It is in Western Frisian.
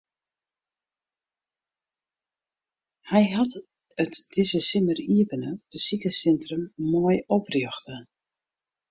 Hy hat it dizze simmer iepene besikerssintrum mei oprjochte.